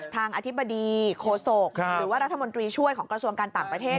อธิบดีโคศกหรือว่ารัฐมนตรีช่วยของกระทรวงการต่างประเทศ